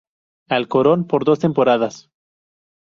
Alcorcón por dos temporadas.